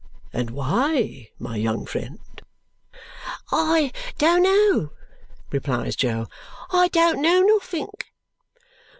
And why, my young friend?" "I don't know," replies Jo. "I don't know nothink."